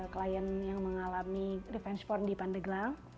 klien yang mengalami revenge for di pandeglang